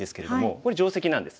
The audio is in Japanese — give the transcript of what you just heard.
これ定石なんです。